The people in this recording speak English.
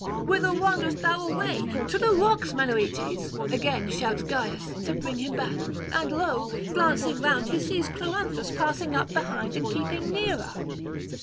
'Whither wanderest thou away? to the rocks, Menoetes!' again shouts Gyas to bring him back; and lo! glancing round he sees Cloanthus passing up behind and keeping nearer.